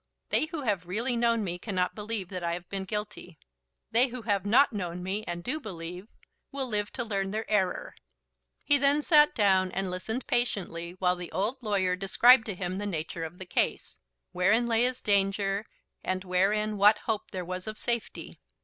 They who have really known me cannot believe that I have been guilty. They who have not known me, and do believe, will live to learn their error." He then sat down and listened patiently while the old lawyer described to him the nature of the case, wherein lay his danger, and wherein what hope there was of safety.